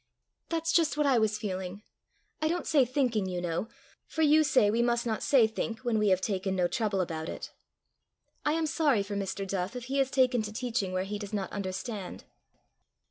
"That's just what I was feeling I don't say thinking, you know for you say we must not say think when we have taken no trouble about it. I am sorry for Mr. Duff, if he has taken to teaching where he does not understand."